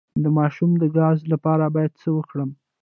د ماشوم د ګاز لپاره باید څه وکړم؟